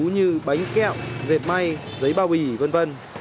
như bánh kẹo dệt may giấy bao bì v v